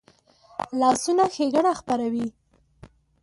لاسونه ښېګڼه خپروي